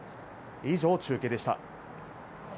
以上、中継でした。